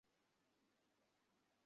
তিনি বিদ্যাসুন্দর রচনা করেন।